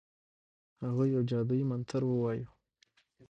هغه یو جادویي منتر ووایه.